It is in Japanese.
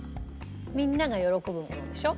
みんなが喜ぶものでしょ？